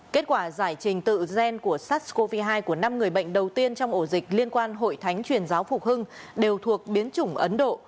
kết quả giải trình tự gen của sars cov hai của năm người bệnh đầu tiên trong ổ dịch liên quan hội thánh truyền giáo phục hưng đều thuộc biến chủng ấn độ